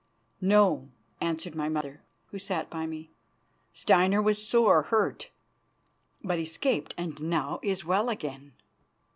"No," answered my mother, who sat by me. "Steinar was sore hurt, but escaped and now is well again."